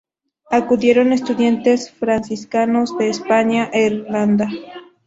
Acudieron estudiantes franciscanos de España e Irlanda.